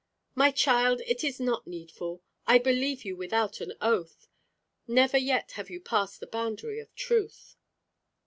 "My child, it is not needful. I believe you without an oath. Never yet have you passed the boundary of truth."